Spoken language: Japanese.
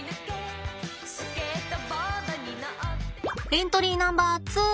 エントリーナンバーツー。